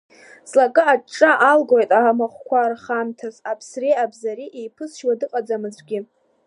Ҵлакы аҿҿа алгоит амахәқәа рхамҭаз, аԥсреи абзареи еиԥызшьуа дыҟаӡам аӡәгьы.